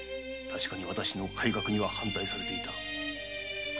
確かにわたしの改革には反対されていた。